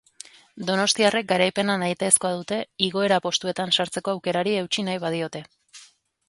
Donostiarrek garaipena nahitaezkoa dute igorra postuetan sartzeko aukerari eutsi nahi badiote.